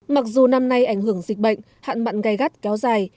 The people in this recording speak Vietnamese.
mặc dù năm nay ảnh hưởng dịch bệnh hạn mặn gây gắt kéo dài